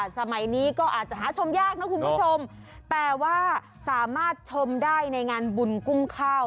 สมัยนี้ก็อาจจะหาชมยากนะคุณผู้ชมแต่ว่าสามารถชมได้ในงานบุญกุ้งข้าว